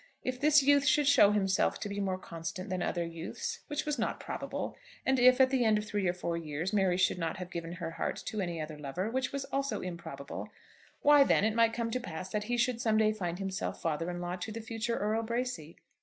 If this youth should show himself to be more constant than other youths, which was not probable, and if, at the end of three or four years, Mary should not have given her heart to any other lover, which was also improbable, why, then, it might come to pass that he should some day find himself father in law to the future Earl Bracy.